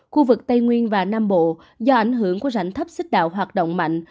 khu vực tây nguyên và nam bộ do ảnh hưởng của rãnh thấp xích đạo hoạt động mạnh